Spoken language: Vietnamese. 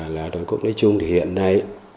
là đối quốc nói chung thì hiện nay